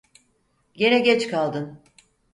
Gene geç kaldın!